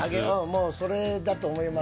もうそれだと思います。